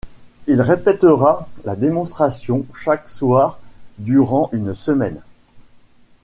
Il répétera la démonstration chaque soir durant une semaine.